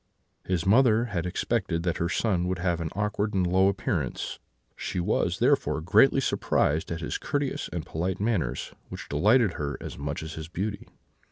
"His mother had expected that her son would have had an awkward and low appearance; she was, therefore, greatly surprised at his courteous and polite manners, which delighted her as much as his beauty.